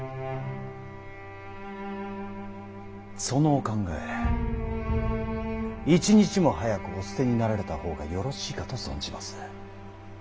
そのお考え一日も早くお捨てになられた方がよろしいかと存じます。